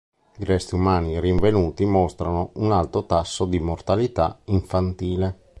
I resti umani rinvenuti mostrano un alto tasso di mortalità infantile.